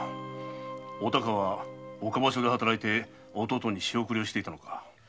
お孝は岡場所で働いて弟に仕送りをしていたのか。